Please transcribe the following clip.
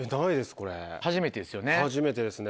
これ初めてですね。